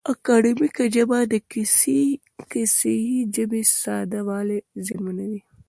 اکاډیمیکه ژبه د کیسه یي ژبې ساده والی زیانمنوي.